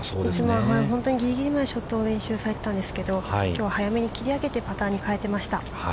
本当にぎりぎりまでショットを練習されてたんですけれども、きょうは早めに切り上げてパターに変えていました。